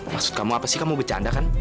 maksud kamu apa sih kamu bercanda kan